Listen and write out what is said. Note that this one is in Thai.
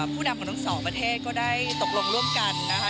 ผู้นำของทั้งสองประเทศก็ได้ตกลงร่วมกันนะคะ